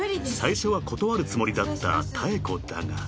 ［最初は断るつもりだった妙子だが］